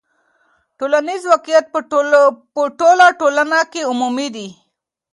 ټولنیز واقعیت په ټوله ټولنه کې عمومي دی.